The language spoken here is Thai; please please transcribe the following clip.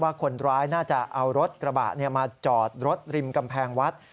คนร้ายน่าจะเอารถกระบะมาจอดรถริมกำแพงวัด